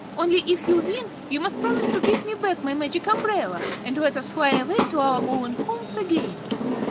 Only, if you win, you must promise to give me back my Magic Umbrella and let us fly away to our own homes again."